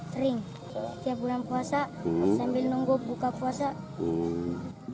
sering setiap bulan puasa sambil nunggu buka puasa